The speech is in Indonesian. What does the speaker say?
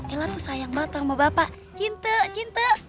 ella tuh sayang matang sama bapak cinta cinta